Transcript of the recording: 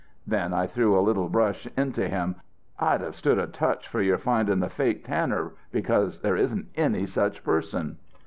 Then I threw a little brush into him: 'I'd have stood a touch for your finding the fake tanner, because there isn't any such person.'